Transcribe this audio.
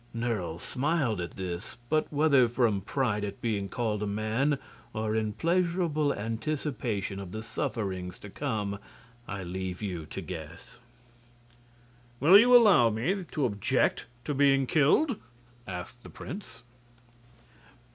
Nerle smiled at this; but whether from pride at being called a man or in pleasurable anticipation of the sufferings to come I leave you to guess. "Will you allow me to object to being killed?" asked the prince.